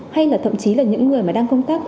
hay là thậm chí là những người mà đang công tác